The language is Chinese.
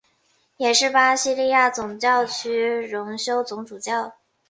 也是巴西利亚总教区荣休总主教。